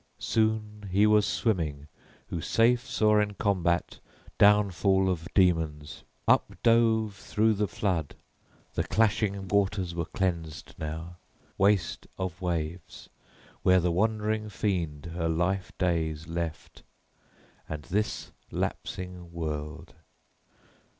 Soon he was swimming who safe saw in combat downfall of demons; up dove through the flood. The clashing waters were cleansed now, waste of waves, where the wandering fiend her life days left and this lapsing world.